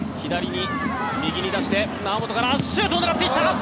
右に出して猶本からシュートを狙っていった！